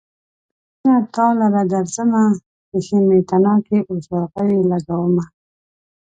مينه تا لره درځمه : پښې مې تڼاکې اوس ورغوي لګومه